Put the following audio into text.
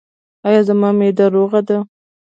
ایا زما معده روغه ده؟